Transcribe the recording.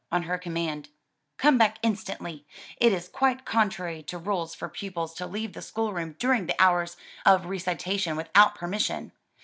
or her command, "Come back instantly: it is quite contrary to rules for pupils to leave the school room during the hours of recitation, without permission."